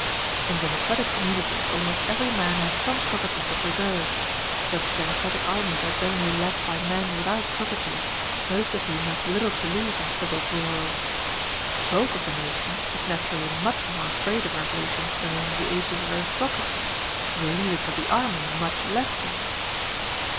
In democratic communities almost every man has some property to preserve; but democratic armies are generally led by men without property, most of whom have little to lose in civil broils. The bulk of the nation is naturally much more afraid of revolutions than in the ages of aristocracy, but the leaders of the army much less so.